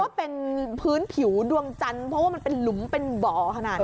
เป็นพื้นผิวดวงจันทร์เพราะว่ามันเป็นหลุมเป็นบ่อขนาดนี้